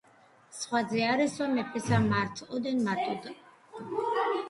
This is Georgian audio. სხვა ძე არ ესვა მეფესა მართ ოდენ მარტო